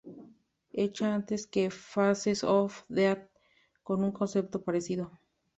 Hecha antes que "Faces of Death", con un concepto parecido.